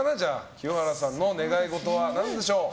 清原さんの願い事は何でしょう。